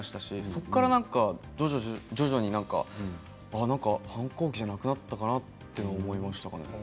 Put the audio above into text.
そこから徐々に反抗期じゃなくなったかなと思いましたね。